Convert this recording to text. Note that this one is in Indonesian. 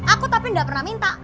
aku tapi gak pernah minta